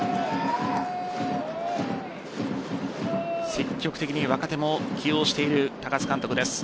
積極的に若手も起用している高津監督です。